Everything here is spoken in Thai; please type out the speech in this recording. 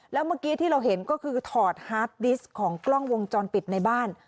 แล้วเมื่อกี้ที่เราเห็นก็คือถอดฮาร์ดดิสต์ของกล้องวงจรปิดในบ้าน